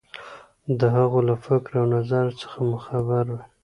د هغو له فکر او نظر څخه مو خبروي.